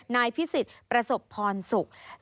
นายพิสิทธิ์ประสบพรศุกร์